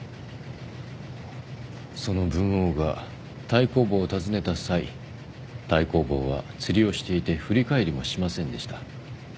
その文王が太公望を訪ねた際太公望は釣りをしていて振り返りもしませんでした。